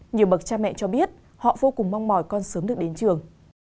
nhiều bậc cha mẹ cho biết họ vô cùng mong mỏi con sớm được đến trường